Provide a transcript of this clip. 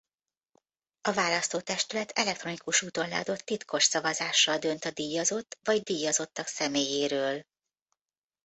A választó testület elektronikus úton leadott titkos szavazással dönt a díjazott vagy díjazottak személyéről.